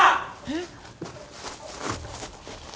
えっ！？